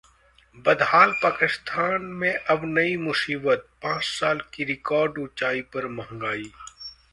बदहाल पाकिस्तान में अब नई मुसीबत, पांच साल की रिकॉर्ड ऊंचाई पर महंगाई